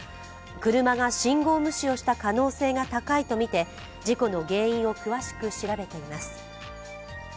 車が信号無視をした可能性が高いとみて、事故の原因を詳しく調べています。